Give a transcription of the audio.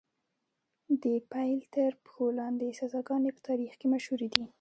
د پیل تر پښو لاندې سزاګانې په تاریخ کې مشهورې دي.